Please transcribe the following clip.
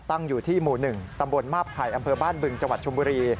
ตั้งอยู่ที่หมู่๑ตำบลมาบไผ่อำเภอบ้านบึงจังหวัดชมบุรี